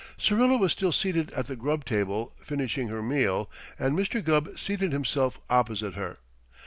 Syrilla was still seated at the grub table, finishing her meal, and Mr. Gubb seated himself opposite her.